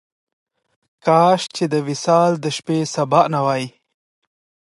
کاش چې د وصال د شپې سبا نه وای.